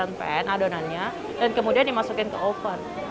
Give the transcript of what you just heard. ditaruh air pan adonannya dan kemudian dimasukin ke oven